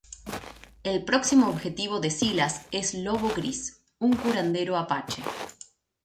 El próximo objetivo de Silas es Lobo Gris, un curandero apache.